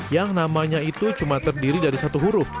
yang namanya itu cuma terdiri dari satu huruf